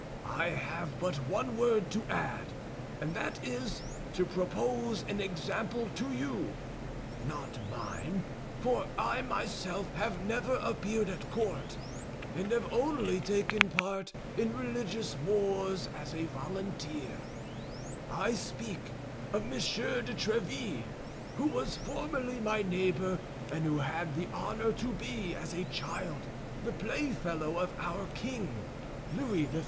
I have but one word to add, and that is to propose an example to you—not mine, for I myself have never appeared at court, and have only taken part in religious wars as a volunteer; I speak of Monsieur de Tréville, who was formerly my neighbor, and who had the honor to be, as a child, the play fellow of our king, Louis XIII.